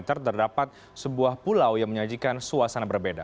terdapat sebuah pulau yang menyajikan suasana berbeda